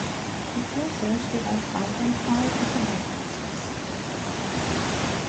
Die Kirche steht als Baudenkmal unter Denkmalschutz.